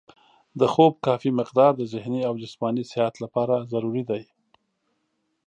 د خوب کافي مقدار د ذهني او جسماني صحت لپاره ضروري دی.